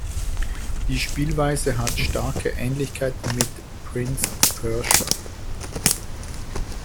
Die Spielweise hat starke Ähnlichkeit mit "Prince of Persia".